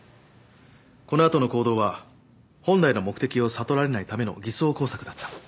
この後の行動は本来の目的を悟られないための偽装工作だった。